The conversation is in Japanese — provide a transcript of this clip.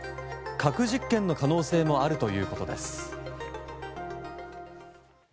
核実験の可能性もあるということです。